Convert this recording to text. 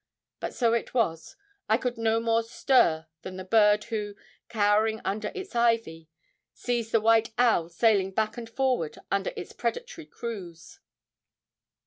But so it was; I could no more stir than the bird who, cowering under its ivy, sees the white owl sailing back and forward under its predatory cruise.